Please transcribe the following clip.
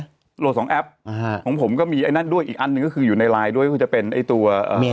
โหลดสองอัปของผมก็มีไอ่ไหนด้วยอีกอันนึงก็คือในไลน์ด้วยก็จะเป็นไอ่ตัว